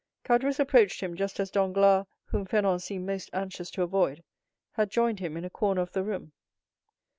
Caderousse approached him just as Danglars, whom Fernand seemed most anxious to avoid, had joined him in a corner of the room.